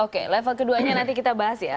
oke level keduanya nanti kita bahas ya